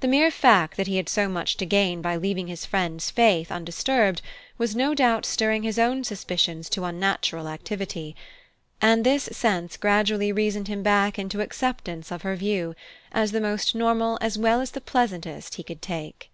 The mere fact that he had so much to gain by leaving his friend's faith undisturbed was no doubt stirring his own suspicions to unnatural activity; and this sense gradually reasoned him back into acceptance of her view, as the most normal as well as the pleasantest he could take.